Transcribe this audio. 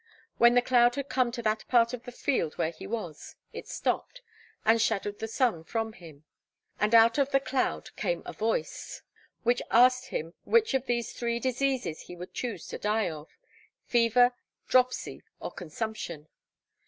When the cloud had come to that part of the field where he was, it stopped, and shadowed the sun from him; and out of the cloud came a Voice, which asked him which of these three diseases he would choose to die of fever, dropsy, or consumption.